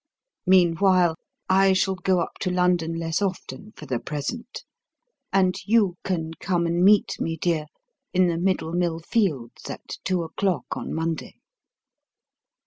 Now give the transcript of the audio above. Meanwhile, I shall go up to London less often for the present, and you can come and meet me, dear, in the Middle Mill Fields at two o'clock on Monday."